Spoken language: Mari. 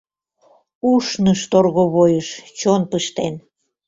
Ушныш торговойыш, чон пыштен.